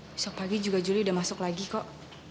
besok pagi juga juli udah masuk lagi kok